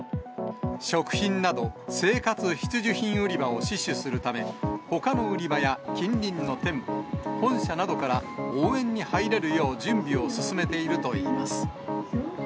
食品など、生活必需品売り場を死守するため、ほかの売り場や近隣の店舗、本社などから応援に入れるよう準備を進めているといいます。